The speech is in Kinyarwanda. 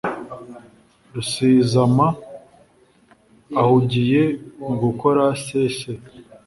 Rusizama ahugiye mu gukora se se